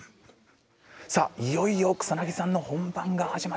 さあいよいよ草さんの本番が始まります。